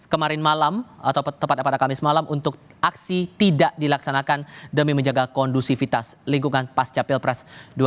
kemarin malam atau tepat pada kamis malam untuk aksi tidak dilaksanakan demi menjaga kondusivitas lingkungan pasca pilpres dua ribu sembilan belas